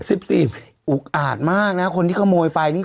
อุปอัดมากนะคนที่ขโมยไป